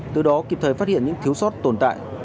từ đó kịp thời phát hiện những thiếu sót tồn tại